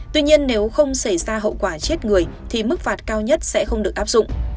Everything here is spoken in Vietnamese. tuy nhiên nếu không xảy ra hậu quả chết người thì mức phạt cao nhất sẽ không được áp dụng